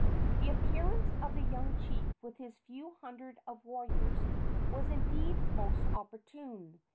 The appearance of the young chief with his few hundreds of warriors was indeed most opportune.